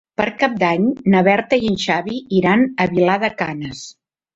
Per Cap d'Any na Berta i en Xavi iran a Vilar de Canes.